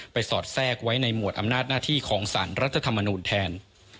สอดแทรกไว้ในหมวดอำนาจหน้าที่ของสารรัฐธรรมนูลแทน